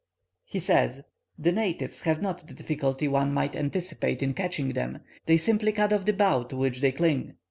He says, "The natives have not the difficulty one might anticipate in catching them; they simply cut off the bough to which they cling.